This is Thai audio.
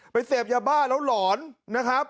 ไปเซ็บหยาบ้าดแล้วหลอนนะครับ